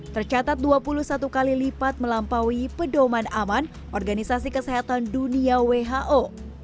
tercatat dua puluh satu kali lipat melampaui pedoman aman organisasi kesehatan dunia who